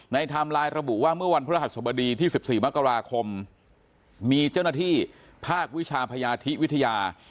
ไทม์ไลน์ระบุว่าเมื่อวันพฤหัสสบดีที่๑๔มกราคมมีเจ้าหน้าที่ภาควิชาพยาธิวิทยา